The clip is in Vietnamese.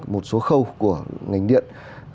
một số khâu của ngành điện